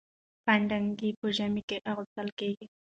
پنډه انګيا په ژمي کي اغوستل کيږي.